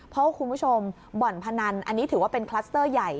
เพราะว่าคุณผู้ชมบ่อนพนันอันนี้ถือว่าเป็นคลัสเตอร์ใหญ่